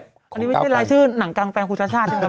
อันนี้ไม่ใช่รายชื่อหนังกลางแปลงคุณชาชาใช่ไหม